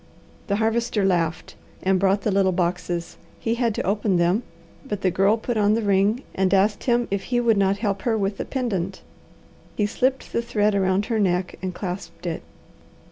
The Harvester laughed and brought the little boxes. He had to open them, but the Girl put on the ring and asked him if he would not help her with the pendant. He slipped the thread around her neck and clasped it.